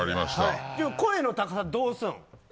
声の高さどうするん。